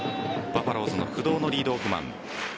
バファローズの不動のリードオフマン。